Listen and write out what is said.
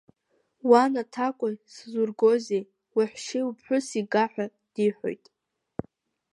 Уан аҭакәажә сызургозеи, уаҳәшьеи уԥҳәыси га, ҳәа диҳәоит.